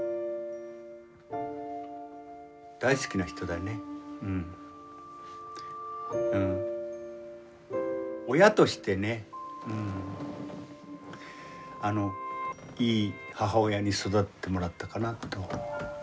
だけど親としてねあのいい母親に育ててもらったかなと。